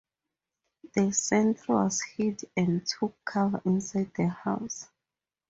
The sentry was hit and took cover inside the house.